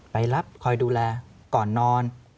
ไปรับคอยดูแลก่อนนอน